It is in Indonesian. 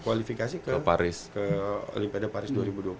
kualifikasi ke olimpiade paris dua ribu dua puluh empat